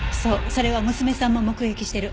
それは娘さんも目撃してる。